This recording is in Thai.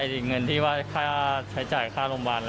ได้เติมนักฬงด